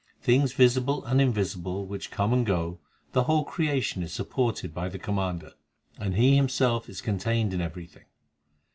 Things visible and invisible, which come and go, The whole creation is supported by the Commander, And He Himself is contained in everything.